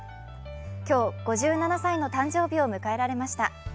今日、５７歳の誕生日を迎えられました。